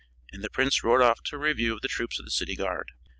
And the prince rode off to a review of the troops of the city guard.